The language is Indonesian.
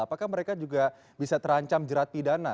apakah mereka juga bisa terancam jerat pidana